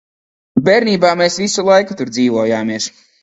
Bērnībā mēs visu laiku tur dzīvojāmies.